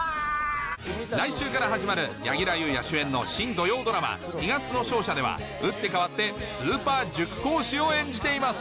来週から始まる柳楽優弥主演の新土曜ドラマ『二月の勝者』では打って変わってスーパー塾講師を演じています